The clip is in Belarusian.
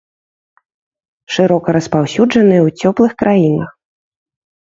Шырока распаўсюджаныя ў цёплых краінах.